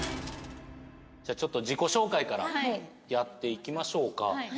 じゃあちょっと自己紹介からやっていきましょうか。